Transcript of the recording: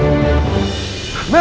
ya ampun mel